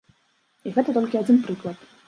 І гэта толькі адзін прыклад.